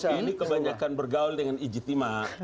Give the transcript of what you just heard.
bukan rocky ini kebanyakan bergaul dengan ijtima